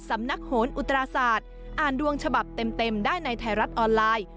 สำนักโหนอุตราศาสตร์อ่านดวงฉบับเต็มได้ในไทยรัฐออนไลน์